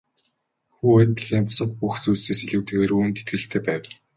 Хүү энэ дэлхийн бусад бүх зүйлсээс илүүтэйгээр үүнд итгэлтэй байв.